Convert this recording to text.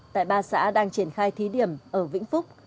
tại ba xã đang triển khai thí điểm ở vĩnh phúc